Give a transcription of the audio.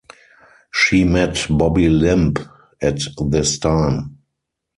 She met Bobby Limb at this time.